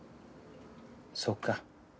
そっか。